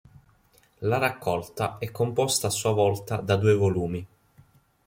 La raccolta è composta a sua volta da due volumi.